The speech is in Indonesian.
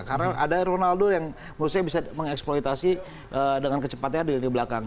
karena ada ronaldo yang menurut saya bisa mengeksploitasi dengan kecepatannya di belakang